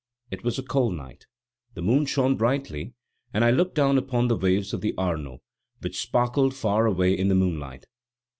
It was a cold night; the moon shone brightly, and I looked down upon the waves of the Arno, which sparkled far away in the moonlight.